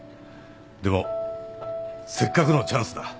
でもせっかくのチャンスだ